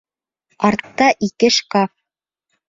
Артта ике шкаф.